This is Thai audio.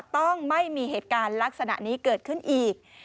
ต้องไม่มีเหตุการณ์ลักษณะนี้เกิดขึ้นอีก